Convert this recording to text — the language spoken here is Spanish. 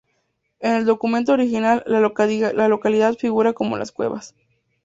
En el documento original, la localidad figura como Las Cuevas.